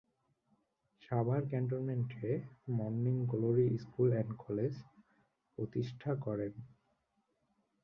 সাভার ক্যান্টনমেন্টে 'morning glory school and college' প্রতিষ্ঠা করেন।